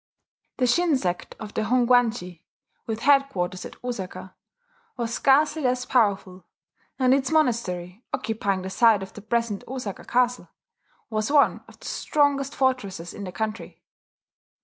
The Shin sect of the Hongwanji, with headquarters at Osaka, was scarcely less powerful; and its monastery, occupying the site of the present Osaka castle, was one of the strongest fortresses in the country.